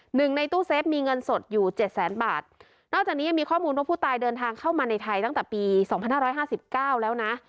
หนึ่งในตู้เซฟมีเงินสดอยู่เจ็ดแสนบาทนอกจากนี้ยังมีข้อมูลว่าผู้ตายเดินทางเข้ามาในไทยตั้งแต่ปีสองพันห้าร้อยห้าสิบเก้าแล้วนะ